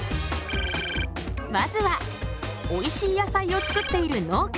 まずはおいしい野菜を作っている農家。